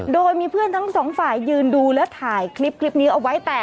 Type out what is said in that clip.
โดยมีเพื่อนทั้งสองฝ่ายยืนดูและถ่ายคลิปนี้เอาไว้